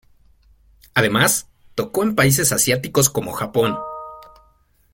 Además, tocó en países asiáticos como Japón.